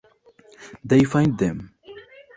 They find them.